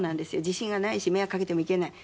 自信がないし迷惑かけてもいけない。